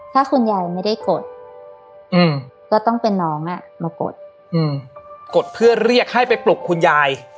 ถ้าคุณยายไม่ได้กดก็ต้องเป็นน้องมากดกดเพื่อเรียกให้ไปปลุกคุณยาย